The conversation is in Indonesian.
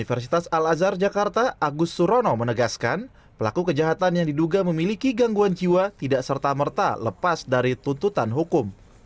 universitas al azhar jakarta agus surono menegaskan pelaku kejahatan yang diduga memiliki gangguan jiwa tidak serta merta lepas dari tuntutan hukum